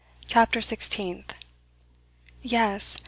CHAPTER SIXTEENTH. Yes!